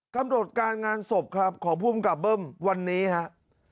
กำหนดการงานศพครับของภูมิกับเบิ้มวันนี้ครับ